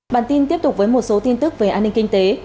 bản tin tiếp tục với một số tin tức về an ninh kinh tế